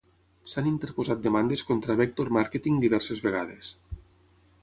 S'han interposat demandes contra Vector Marketing diverses vegades.